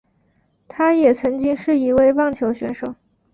他也曾经是一位棒球选手。